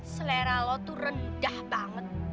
selera lo tuh rendah banget